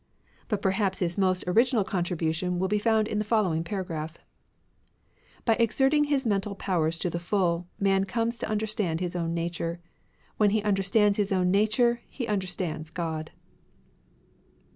But perhaps his most 42 CONFUCIANISM original contribution will be found in the following paragraph :—" By exerting his mental powers to the full, man comes to understand his own nature. When he understands his own nature, he understands God."